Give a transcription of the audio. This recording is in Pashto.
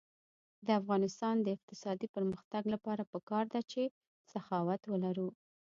د افغانستان د اقتصادي پرمختګ لپاره پکار ده چې سخاوت ولرو.